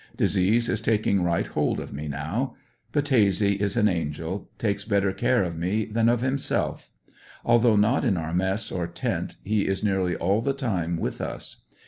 Disease is taking right hold of me now. Baitese is an angel; takes better care of me than of himself. Although not in our mess or tent, he is nearly all the time with us.